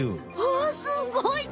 おすごい！